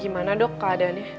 gimana dok keadaannya